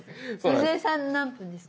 野添さん何分ですか？